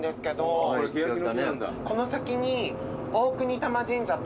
この先に。